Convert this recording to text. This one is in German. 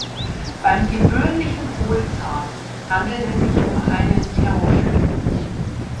Beim Gewöhnlichen Hohlzahn handelt es sich um einen Therophyten.